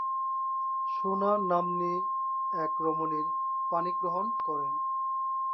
শোনা নাম্নী এক রমণীর পাণিগ্রহণ করেন।